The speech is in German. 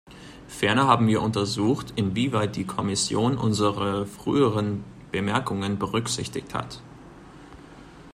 Ferner haben wir untersucht, inwieweit die Kommission unsere früheren Bemerkungen berücksichtigt hat.